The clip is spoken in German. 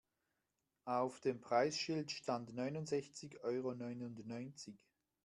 Auf dem Preisschild stand neunundsechzig Euro neunundneunzig.